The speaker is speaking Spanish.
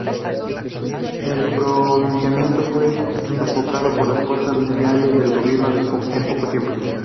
El pronunciamiento fue sofocado por las fuerzas leales al gobierno en poco tiempo.